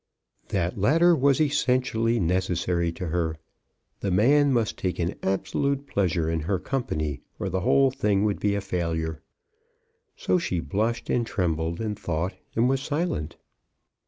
That latter was essentially necessary to her. The man must take an absolute pleasure in her company, or the whole thing would be a failure. So she blushed and trembled, and thought and was silent.